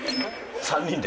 ３人で？